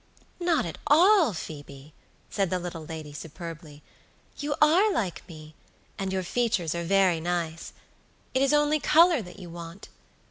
"Not at all, Phoebe," said the little lady, superbly; "you are like me, and your features are very nice; it is only color that you want.